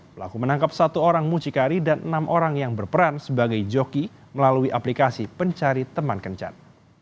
pelaku menangkap satu orang mucikari dan enam orang yang berperan sebagai joki melalui aplikasi pencari teman kencan